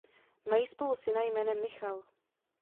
Mají spolu syna jménem Michal.